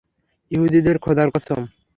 ইহুদীদের খোদার কসম।